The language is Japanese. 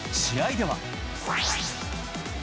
試合では。